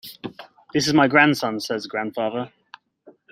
"This is my grandson," says Grandfather.